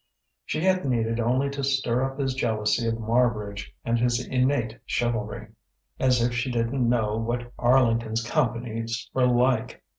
She had needed only to stir up his jealousy of Marbridge and his innate chivalry.... As if she didn't know what Arlington's companies were like!